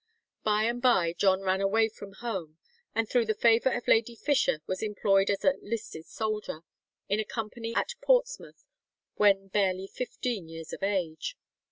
By and by John ran away from home, and through the favour of Lady Fisher was employed as a "listed soldier" in a company at Portsmouth when barely fifteen years of age.